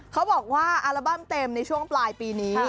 เขาบอกว่าอัลบั้มเต็มในช่วงปลายปีนี้